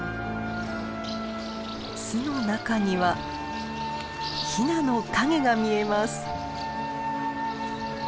巣の中にはヒナの影が見えます。